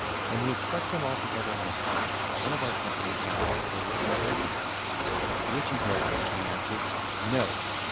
When he had stuck them all together on a file, one of our company asked if there were any vacancies; to which interrogation he answered "No!"